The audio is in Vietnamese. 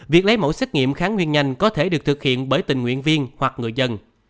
việc lấy mẫu xét nghiệm kháng nguyên nhanh có thể được thực hiện bởi tình nguyện viên hoặc người dân